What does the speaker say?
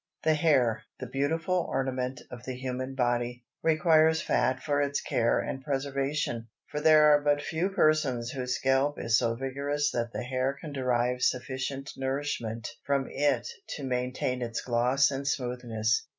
The hair, the beautiful ornament of the human body, requires fat for its care and preservation, for there are but few persons whose scalp is so vigorous that the hair can derive sufficient nourishment from it to maintain its gloss and smoothness.